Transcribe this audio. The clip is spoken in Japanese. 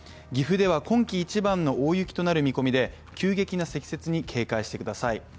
岐阜では今季一番の大雪となる見込みで急激な積雪に警戒してください。